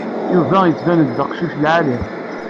Yuba yettban-d d aqcic lɛali.